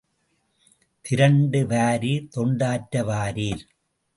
திரண்டு வாரீர் தொண்டாற்ற வாரீர்!